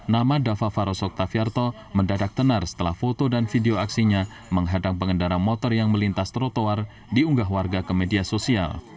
nama dava farosok taviarto mendadak tenar setelah foto dan video aksinya menghadang pengendara motor yang melintas trotoar diunggah warga ke media sosial